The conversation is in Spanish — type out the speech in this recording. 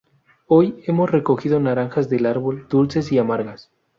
Hoy hemos recogido naranjas del árbol dulces y amargas